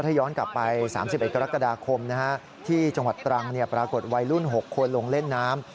ถ้าย้อนกลับไป๓๑กรกฎาคมที่จังหวัดตรังปรากฏวัยรุ่น๖คนลงเล่นน้ำ